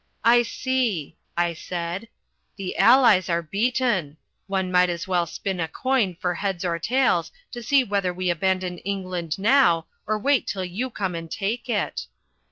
"I see," I said, "the Allies are beaten. One might as well spin a coin for heads or tails to see whether we abandon England now or wait till you come and take it."